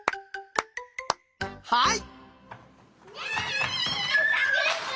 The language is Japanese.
はい。